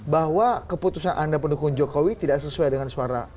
bahwa keputusan anda pendukung jokowi tidak sesuai dengan suara